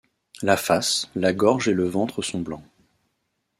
La face, la gorge et le ventre sont blancs.